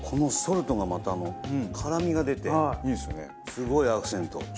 すごいアクセント。